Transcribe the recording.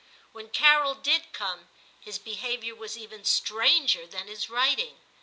When Carol did come, his behaviour was even stranger than his writing.